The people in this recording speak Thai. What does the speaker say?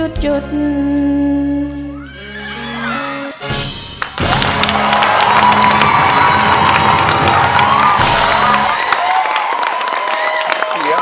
เธอจะดีจริง